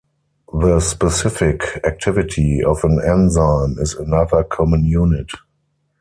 The specific activity of an enzyme is another common unit.